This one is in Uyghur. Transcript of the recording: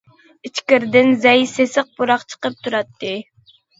ئىچكىرىدىن زەي، سېسىق پۇراق چىقىپ تۇراتتى.